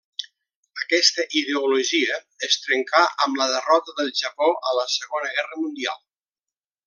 Aquesta ideologia es trencà amb la derrota del Japó a la Segona Guerra Mundial.